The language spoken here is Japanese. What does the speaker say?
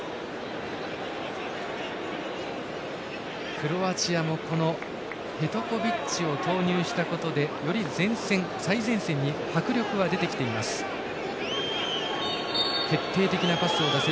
クロアチアもペトコビッチを投入したことでより前線、最前線に迫力は出てきています。